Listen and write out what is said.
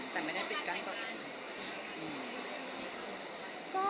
แต่ไม่ได้ปิดกั้นก่อน